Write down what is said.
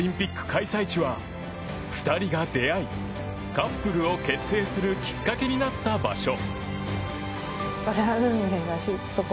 開催地は２人が出会いカップルを結成するきっかけになった場所。